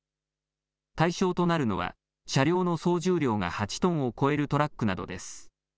対象となるのは車両の総重量が８トンを超えるトラックなどです。